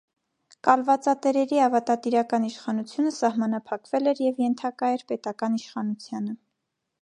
Կալվածատերերի ավատատիրական իշխանությունը սահմանափակվել էր և ենթակա էր պետական իշխանությանը։